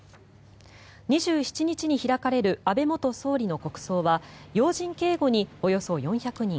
２７日に開かれる安倍元総理の国葬は要人警護におよそ４００人